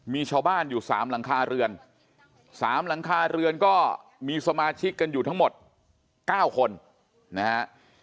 มีชาวบ้านอยู่๓หลังคาเรือน๓หลังคาเรือนก็มีสมาชิกกันอยู่ทั้งหมด๙คนนะฮะ